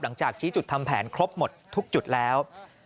หลังจากชี้จุดทำแผนครบหมดทุกจุดแล้ว